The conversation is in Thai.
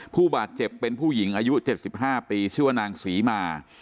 ผู้บาดเจ็บเป็นผู้หญิงอายุ๗๕ปีชื่อว่านางศรีมา